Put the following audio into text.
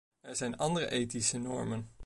Er zijn andere ethische normen.